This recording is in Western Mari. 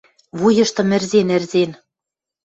Вуйыштым ӹрзен-ӹрзен: